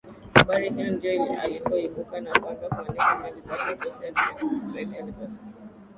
habari hiyo ndipo alipoibuka na kuanza kuanika mali zake Jose alikerwa zaidi aliposikia